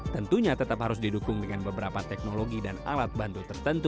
tentunya tetap harus didukung dengan beberapa teknologi dan alat bantu tertentu